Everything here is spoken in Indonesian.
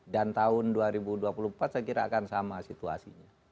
dan tahun dua ribu dua puluh empat saya kira akan sama situasinya